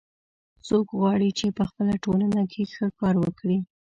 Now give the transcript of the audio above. څوک غواړي چې په خپل ټولنه کې ښه کار وکړي